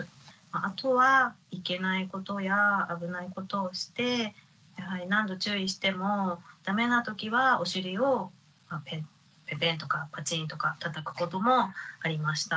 あとはいけないことや危ないことをしてやはり何度注意してもダメなときはおしりをぺんぺんとかパチンとかたたくこともありました。